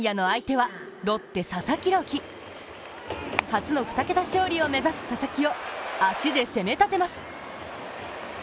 初の２桁勝利を目指す佐々木を足で攻め立てます。